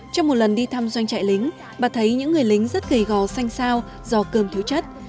trong một lần đi thăm doanh trại lính bà thấy những người lính rất gầy gò xanh sao do cơm thiếu chất